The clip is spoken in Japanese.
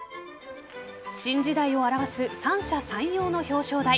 新時代を表す三者三様の表彰台。